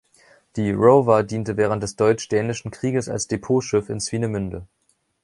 Die "Rover" diente während des Deutsch-Dänischen Krieges als Depotschiff in Swinemünde.